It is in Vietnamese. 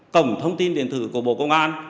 cổng thông tin điện thử của bộ công an